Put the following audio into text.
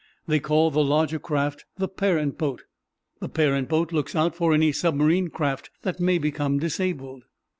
They call the larger craft the 'parent boat.' The parent boat looks out for any submarine craft that may become disabled."